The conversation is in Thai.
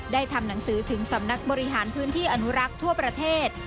ทำหนังสือถึงสำนักบริหารพื้นที่อนุรักษ์ทั่วประเทศ